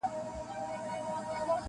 • د پردیو په کمال ګوري جهان ته -